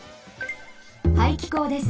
排気口です。